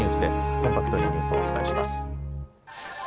コンパクトにニュースをお伝えします。